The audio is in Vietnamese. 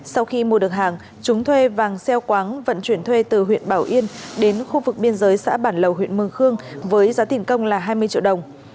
sau khi mua được hàng chúng thuê vàng xeo quáng vận chuyển thuê từ huyện bảo yên đến khu vực biên giới xã bản lầu huyện mờ khương với giá tỉnh công là hai mươi triệu đồng